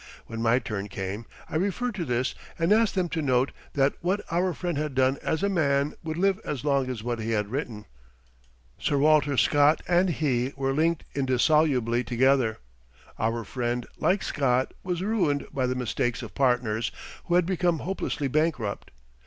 When my turn came, I referred to this and asked them to note that what our friend had done as a man would live as long as what he had written. Sir Walter Scott and he were linked indissolubly together. Our friend, like Scott, was ruined by the mistakes of partners, who had become hopelessly bankrupt.